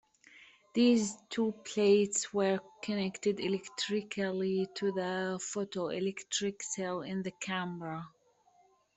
These two plates were connected electrically to the photoelectric cell in the camera.